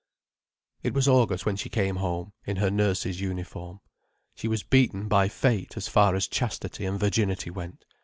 It was August when she came home, in her nurse's uniform. She was beaten by fate, as far as chastity and virginity went.